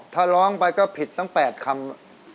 ถ้าร้องไปก็ผิดตั้ง๘คำ